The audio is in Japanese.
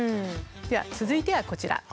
では続いてはこちら。